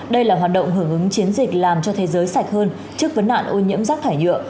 đây là hoạt động hưởng ứng chiến dịch làm cho thế giới sạch hơn trước vấn nạn ô nhiễm rác thải nhựa